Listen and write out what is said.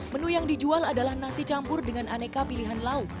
menu yang dijual adalah nasi campur dengan aneka pilihan lauk